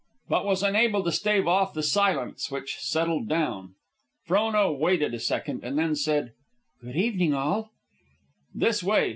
but was unable to stave off the silence which settled down. Frona waited a second, and then said, "Good evening, all." "This way."